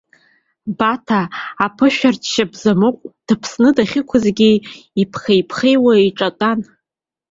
Бата аԥышәырчча бзамыҟә дыԥсны дахьықәызгьы иԥхеиԥхеиуа иҿатәан.